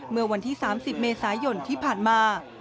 เมื่อวันที่๓๐เมษายนที่ผ่านมา